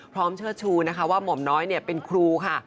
พร้อมเชื่อชูนะคะว่าหม่อมน้อยเป็นครูค่ะ